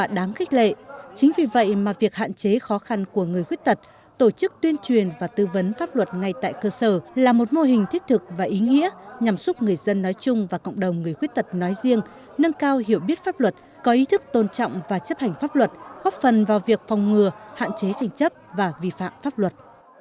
kết quả đáng khích lệ chính vì vậy mà việc hạn chế khó khăn của người khuyết tật tổ chức tuyên truyền và tư vấn pháp luật ngay tại cơ sở là một mô hình thiết thực và ý nghĩa nhằm giúp người dân nói chung và cộng đồng người khuyết tật nói riêng nâng cao hiểu biết pháp luật có ý thức tôn trọng và chấp hành pháp luật góp phần vào việc phòng ngừa hạn chế trình chấp và vi phạm pháp luật